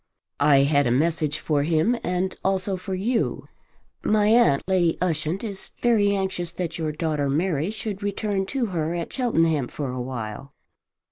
"I had a message for him and also for you. My aunt, Lady Ushant, is very anxious that your daughter Mary should return to her at Cheltenham for a while."